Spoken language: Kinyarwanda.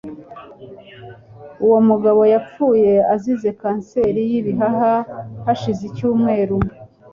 Uwo mugabo yapfuye azize kanseri y'ibihaha hashize icyumweru.